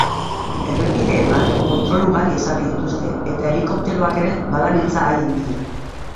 Errepideetan kontrol ugari ezarri dituzte eta helikopteroak ere badabiltza haien bila.